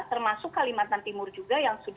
termasuk kalimantan timur juga